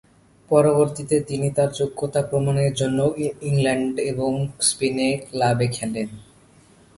পরবর্তীতে তিনি তার যোগ্যতা প্রমাণের জন্য ইংল্যান্ড এবং স্পেনে ক্লাবে খেলেন।